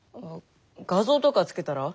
画像とか付けたら？